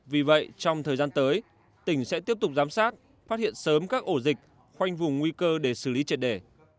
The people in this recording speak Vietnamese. vì vậy trong thời gian tới tỉnh sẽ tiếp tục giám sát phát hiện sớm các ổ dịch khoanh vùng nguy cơ để xử lý triệt đề